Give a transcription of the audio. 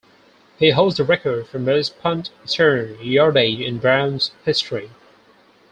He holds the record for most punt return yardage in Browns history.